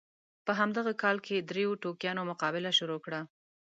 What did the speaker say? په همدغه کال کې دریو ټوکیانو مقابله شروع کړه.